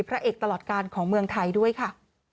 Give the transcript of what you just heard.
พระเอกตลอดการของเมืองไทยด้วยค่ะ